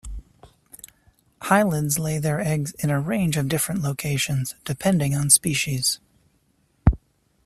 Hylids lay their eggs in a range of different locations, depending on species.